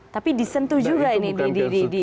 tapi disentuh juga ini di kasus ini